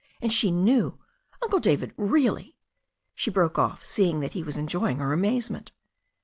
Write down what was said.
And she knew! Uncle David, really *' She broke off, seeing that he was enjoying her amazement.